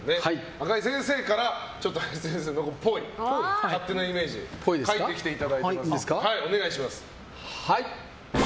赤井先生から林先生のっぽい、勝手なイメージを書いてきていただいています。